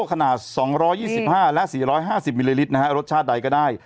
ขนาด๒๒๕และ๔๕๐มิลลิลิตรนะฮะรสชาติใดก็ได้